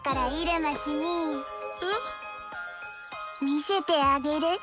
見せてあげる。